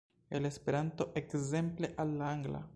el Esperanto ekzemple al la angla?